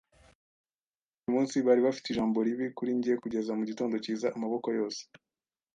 kandi burimunsi bari bafite ijambo ribi kuri njye, kugeza mugitondo cyiza amaboko yose